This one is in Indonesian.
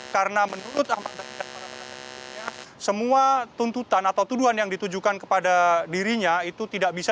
karena menurut semua tuntutan atau tuduhan yang ditujukan kepada dirinya itu tidak bisa